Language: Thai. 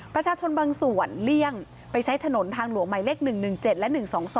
ประชาชนบางส่วนเลี่ยงไปใช้ถนนทางหลวงหมายเลข๑๑๗และ๑๒๒